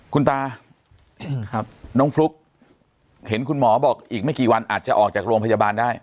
คุณตาน้องฟลุ๊กเห็นคุณหมอบอกอีกไม่กี่วันอาจจะออกจากโรงพยาบาลได้